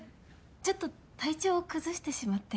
ちょっと体調を崩してしまって。